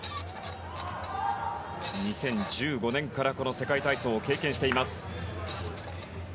２０１５年からこの世界体操を経験しています。